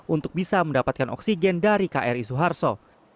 untuk bisa mendapatkan oksigen dari kri suharto